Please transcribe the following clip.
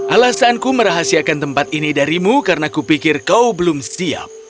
alasanku merahasiakan tempat ini darimu karena kupikir kau belum siap